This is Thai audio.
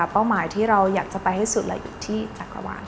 เป้าหมายที่เราอยากจะไปให้สุดละเอียดที่จักรวาล